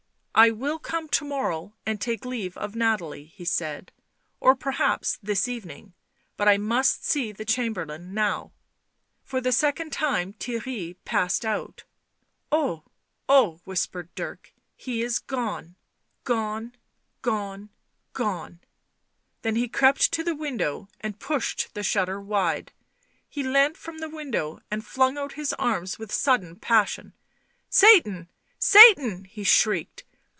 " I will come to morrow and take leave of Nathalie," he said; " or perhaps this evening. But I must see the Chamberlain now." For the second time Theirry passed out. " Oh ! oh !" whispered Dirk. " He is gone — gone — gone — gone." Then he crept to the window and pushed the shutter wide. He leant from the window and flung out his arms with sudden passion. " Satan ! Satan !" he shrieked.